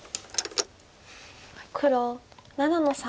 黒７の三。